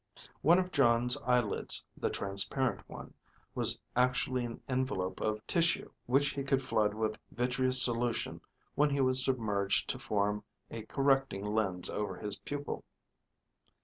One of Jon's eyelids, the transparent one, was actually an envelope of tissue which he could flood with vitreous solution when he was submerged to form a correcting lens over his pupil.